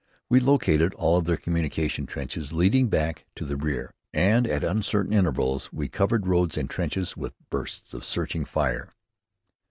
We located all of their communication trenches leading back to the rear; and at uncertain intervals we covered roads and trenches with bursts of searching fire.